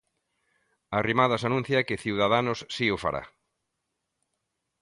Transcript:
Arrimadas anuncia que Ciudadanos si o fará.